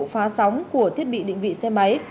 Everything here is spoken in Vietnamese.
phá sóng của thiết bị định vị xe máy